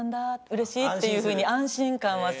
嬉しい」っていうふうに安心感はすごく。